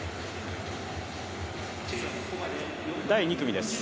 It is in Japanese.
第２組です。